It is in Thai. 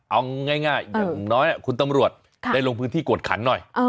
เอาง่ายอย่างน้อยคุณตำรวจได้ลงพื้นที่กวดขันหน่อย